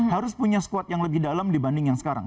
harus punya squad yang lebih dalam dibanding yang sekarang